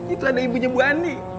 itu ada ibunya bu ani